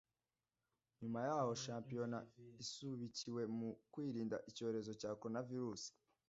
Nyuma yaho shampiyona isubikiwe mu kwirinda icyorezo cya coronavirus